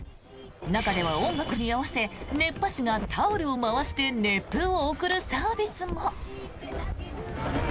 中では音楽に合わせ熱波師がタオルを回して熱風を送るサービスも。